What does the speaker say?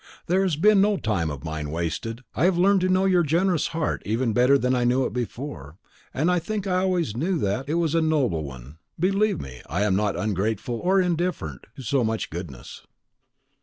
"There has been no time of mine wasted. I have learned to know your generous heart even better than I knew it before, and I think I always knew that it was a noble one. Believe me, I am not ungrateful or indifferent to so much goodness."